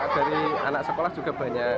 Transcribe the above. dari anak sekolah juga banyak